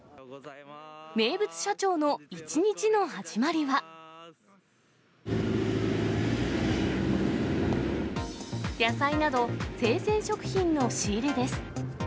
名物社長の１日の始まりは、野菜など、生鮮食品の仕入れです。